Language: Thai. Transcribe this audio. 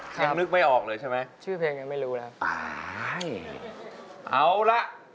ยังนึกไม่ออกเลยใช่ไหมชื่อเพลงยังไม่รู้แล้วตายเอาละ